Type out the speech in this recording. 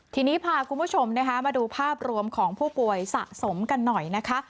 ทีนี้พาคุณผู้ชมนะคะมาดูภาพรวมของผู้ป่วยสะสมกันหน่อยนะคะ